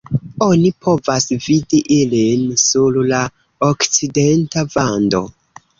Oni povas vidi ilin sur la okcidenta vando.